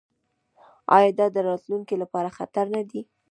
آیا دا د راتلونکي لپاره خطر نه دی؟